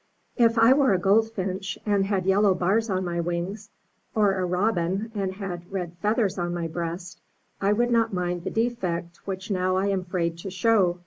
If I were a goldfinch, and had yellow bars on my wings, or a robin, and had red feathers on my breast, I should not mind the defect which now I am afraid to show.